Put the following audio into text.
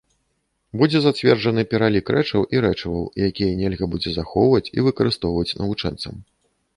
Будзе зацверджаны пералік рэчаў і рэчываў, якія нельга будзе захоўваць і выкарыстоўваць навучэнцам.